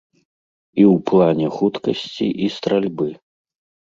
І ў плане хуткасці і стральбы.